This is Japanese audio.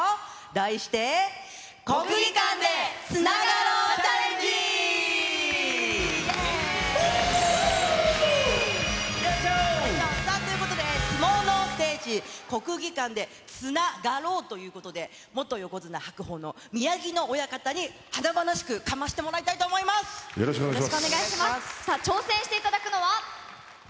題して、国技館でつながろうチャレンジ。ということで、相撲の聖地、国技館で、つながろうということで、元横綱・白鵬の宮城野親方に華々しくかましてもらいたいと思いまよろしくお願いします。